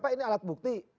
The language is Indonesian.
ini alat bukti